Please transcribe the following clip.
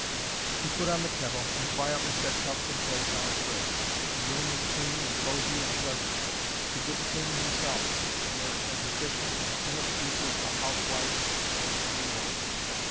He put on the kettle, and quietly set cups and plates on a tray. The room was clean and cosy and pleasant. He did the cleaning himself, and was as efficient and inobtrusive a housewife as any woman.